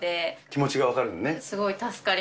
気持ちがわかるもんね。